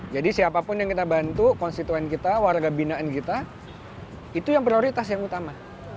jadi siapapun yang kita bantu konstituen kita warga binaan kita itu yang prioritas yang utama